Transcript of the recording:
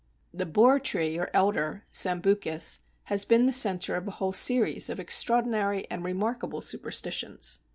The "Bour Tree" or Elder (Sambucus) has been the centre of a whole series of extraordinary and remarkable superstitions.